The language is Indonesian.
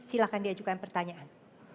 silahkan diajukan pertanyaan